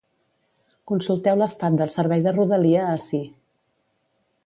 Consulteu l’estat del servei de rodalia ací.